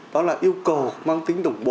đó là yêu cầu mang tính đồng bộ